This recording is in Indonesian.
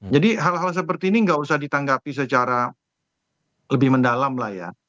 jadi hal hal seperti ini nggak usah ditanggapi secara lebih mendalam lah ya